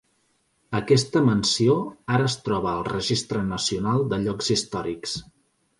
Aquesta mansió, ara es troba al registre nacional de llocs històrics.